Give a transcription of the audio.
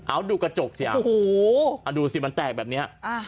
อ้าวดูกระจกสิอ้าวอ้าวดูสิมันแตกแบบเนี้ย